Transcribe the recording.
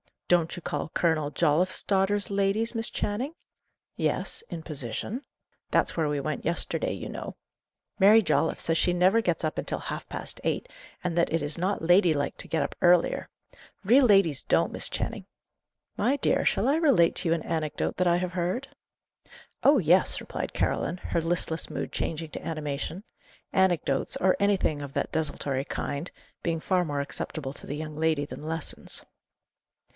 "Don't you call Colonel Jolliffe's daughters ladies, Miss Channing?" "Yes in position." "That's where we went yesterday, you know. Mary Jolliffe says she never gets up until half past eight, and that it is not lady like to get up earlier. Real ladies don't, Miss Channing." "My dear, shall I relate to you an anecdote that I have heard?" "Oh, yes!" replied Caroline, her listless mood changing to animation; anecdotes, or anything of that desultory kind, being far more acceptable to the young lady than lessons.